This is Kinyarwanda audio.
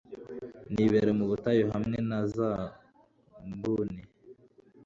nibera mu butayu hamwe na za mbuni